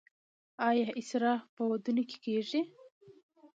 آیا اسراف په ودونو کې کیږي؟